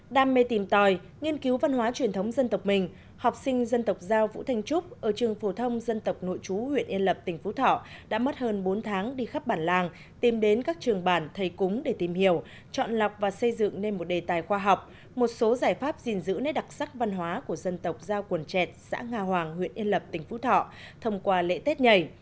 đam mê tìm tòi nghiên cứu văn hóa truyền thống dân tộc mình học sinh dân tộc giao vũ thành trúc ở trường phổ thông dân tộc nội trú huyện yên lập tỉnh phú thọ đã mất hơn bốn tháng đi khắp bản làng tìm đến các trường bản thầy cúng để tìm hiểu chọn lọc và xây dựng nên một đề tài khoa học một số giải pháp gìn giữ nét đặc sắc văn hóa của dân tộc giao quần trẹt xã nga hoàng huyện yên lập tỉnh phú thọ thông qua lễ tết nhảy